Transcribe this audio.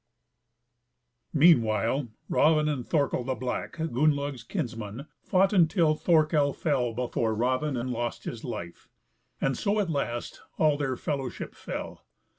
Meanwhile Raven and Thorkel the Black, Gunnlaug's kinsman, fought until Thorkel fell before Raven and lost his life; and so at last all their fellowship fell.